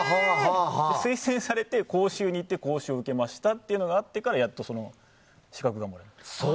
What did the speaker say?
推薦されて、講習に行って講習を受けましたというのがあってからやっと資格がもらえます。